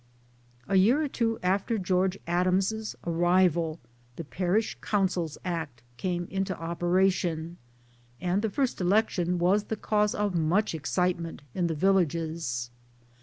A year or two after George Adams' arrival the Parish Councils Act came into operation, and the first election was the cause of much excitement in the villages.